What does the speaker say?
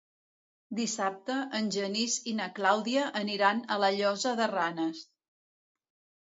Dissabte en Genís i na Clàudia aniran a la Llosa de Ranes.